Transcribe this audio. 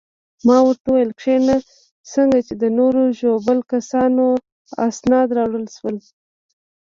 ما ورته وویل: کښېنه، څنګه چې د نورو ژوبلو کسانو اسناد راوړل شول.